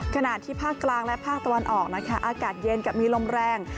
ขณะที่ภาคกลางและภาคตะวันออกนะคะอากาศเย็นกับมีลมแรง